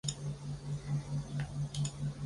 钻状风毛菊为菊科风毛菊属下的一个种。